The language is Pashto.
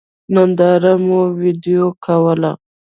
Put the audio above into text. نندارې مو وېډيو کوله.